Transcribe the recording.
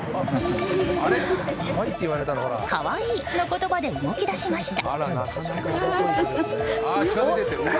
可愛いの言葉で動き出しました。